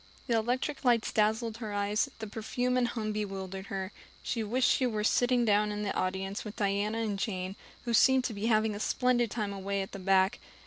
The electric lights dazzled her eyes, the perfume and hum bewildered her. She wished she were sitting down in the audience with Diana and Jane, who seemed to be having a splendid time away at the back.